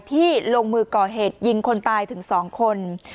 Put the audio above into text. ที่ลงมือก่อเหตุยิงคนตายถึง๒คน